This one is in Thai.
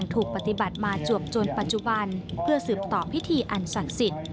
ถูกปฏิบัติมาจวบจนปัจจุบันเพื่อสืบต่อพิธีอันศักดิ์สิทธิ์